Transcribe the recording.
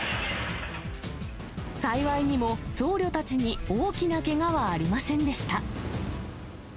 幸いにも僧侶たちに大きなけがはありませんでした。